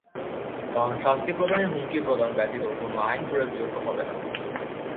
কারণ শাস্তি প্রদনের হুমকি প্রদান ব্যতীত কোনো আইন প্রয়োগযোগ্য হবে না।